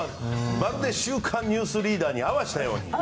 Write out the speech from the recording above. まるで「週刊ニュースリーダー」に合わせたように。